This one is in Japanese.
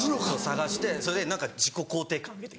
探してそれで何か自己肯定感上げて。